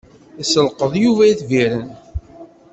Isselqeḍ Yuba itbiren.